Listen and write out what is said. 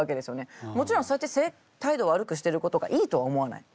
もちろんそうやって態度悪くしてることがいいとは思わない。